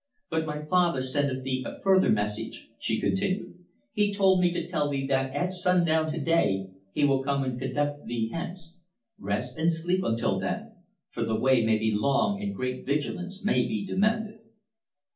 "But my father sendeth thee a further message," she continued. "He told me to tell thee that at sundown to day he will come and conduct thee hence. Rest and sleep until then, for the way may be long and great vigilance may be demanded."